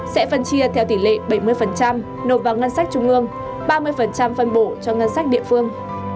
sẽ phân chia theo tỷ lệ bảy mươi nộp vào ngân sách trung ương ba mươi phân bổ cho ngân sách địa phương